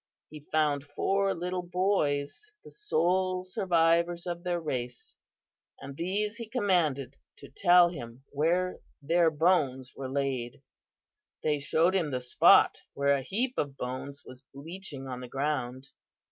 He found four little boys, the sole survivors of their race, and these he commanded to tell him where their bones were laid. "They showed him the spot where a heap of bones was bleaching on the ground.